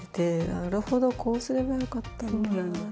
なるほどこうすればよかったんだって。